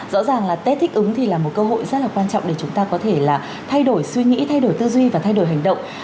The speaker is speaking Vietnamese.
rõ ràng là tết thích ứng thì là một cơ hội rất là quan trọng để chúng ta có thể là thay đổi suy nghĩ thay đổi tư duy và thay đổi hành động